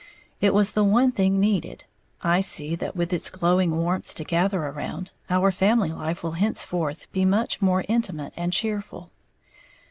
It was the one thing needed, I see that with its glowing warmth to gather around, our family life will henceforth be much more intimate and cheerful.